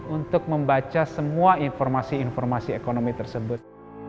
untuk membaca semua informasi informasi ekonomi tersebut